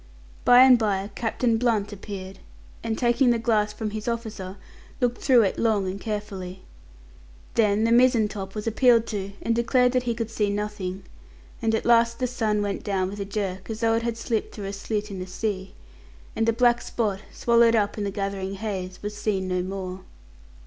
By and by, Captain Blunt appeared, and, taking the glass from his officer, looked through it long and carefully. Then the mizentop was appealed to, and declared that he could see nothing; and at last the sun went down with a jerk, as though it had slipped through a slit in the sea, and the black spot, swallowed up in the gathering haze, was seen no more.